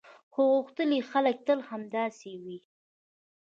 هو، غښتلي خلک تل همداسې وي.